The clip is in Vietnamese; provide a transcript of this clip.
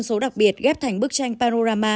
số đặc biệt ghép thành bức tranh panorama